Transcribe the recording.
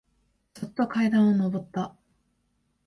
そっと階段をのぼった。